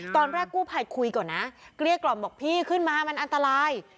ตอนแรกกู้ภัยคุยก่อนนะเกลี้ยกล่อมบอกพี่ขึ้นมามันอันตราย